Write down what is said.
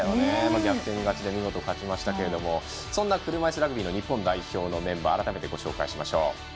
逆転勝ちで見事勝ちましたけれどもそんな車いすラグビーの日本代表のメンバー改めてご紹介しましょう。